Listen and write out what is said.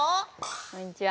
こんにちは。